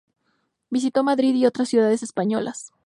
Visitó Madrid y otras ciudades españolas.